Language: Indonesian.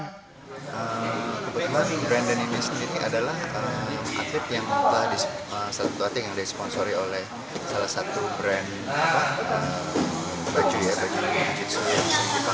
kebetulan brandon ini sendiri adalah atlet yang disponsori oleh salah satu brand jiu jitsu